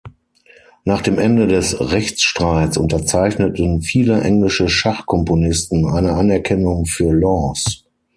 Nach dem Ende des Rechtsstreits unterzeichneten viele englische Schachkomponisten eine Anerkennung für Laws.